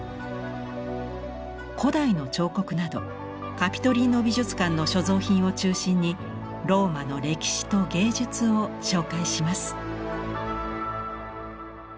古代の彫刻などカピトリーノ美術館の所蔵品を中心にローマの歴史と芸術を紹介します。